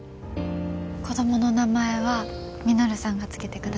子供の名前は稔さんが付けてくださいね。